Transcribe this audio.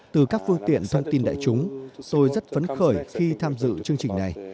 từ các phương tiện thông tin đại chúng tôi rất phấn khởi khi tham dự chương trình này